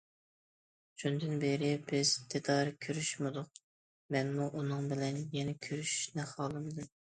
شۇندىن بېرى بىز دىدار كۆرۈشمىدۇق، مەنمۇ ئۇنىڭ بىلەن يەنە كۆرۈشۈشنى خالىمىدىم.